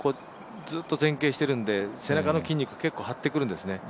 ずっと前傾しているんで結構はってくるんですね。